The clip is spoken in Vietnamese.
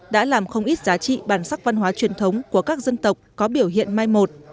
đã làm không ít giá trị bản sắc văn hóa truyền thống của các dân tộc có biểu hiện mai một